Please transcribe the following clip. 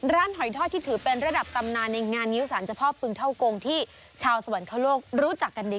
หอยทอดที่ถือเป็นระดับตำนานในงานงิ้วสารเจ้าพ่อฟึงเท่ากงที่ชาวสวรรคโลกรู้จักกันดี